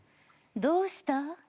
どうした？